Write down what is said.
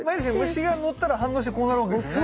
虫がのったら反応してこうなるわけですよね。